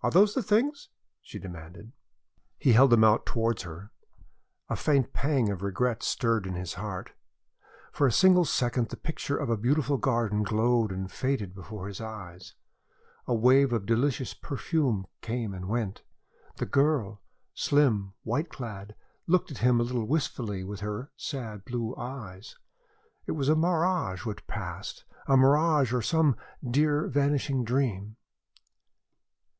"Are those the things?" she demanded. He held them out towards her. A faint pang of regret stirred his heart. For a single second the picture of a beautiful garden glowed and faded before his eyes. A wave of delicious perfume came and went. The girl slim, white clad looked at him a little wistfully with her sad blue eyes. It was a mirage which passed, a mirage or some dear, vanishing dream.